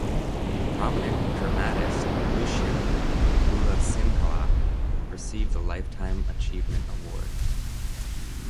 Prominent dramatist Lucien Bulathsinhala received the Lifetime Achievement Award.